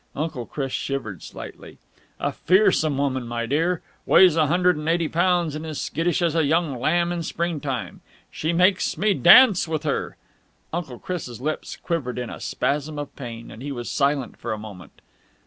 Uncle Chris shivered slightly. "A fearsome woman, my dear! Weighs a hundred and eighty pounds and as skittish as a young lamb in springtime! She makes me dance with her!" Uncle Chris' lips quivered in a spasm of pain, and he was silent for a moment.